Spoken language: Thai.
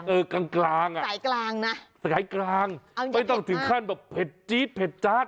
เออกลางอะสายกลางนะไม่ต้องถึงขั้นแบบเผ็ดจี๊ดเผ็ดจัด